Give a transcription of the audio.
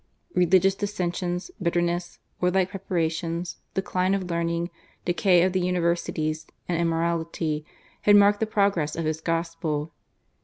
Religious dissensions, bitterness, war like preparations, decline of learning, decay of the universities, and immorality, had marked the progress of his gospel.